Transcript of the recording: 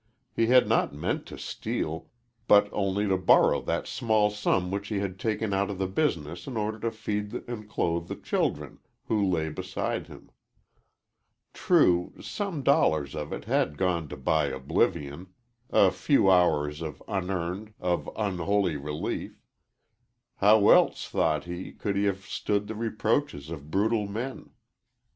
He had not meant to steal, but only to borrow that small sum which he had taken out of the business in order to feed and clothe the children who lay beside him. True, some dollars of it had gone to buy oblivion a few hours of unearned, of unholy relief. How else, thought he, could he have stood the reproaches of brutal men?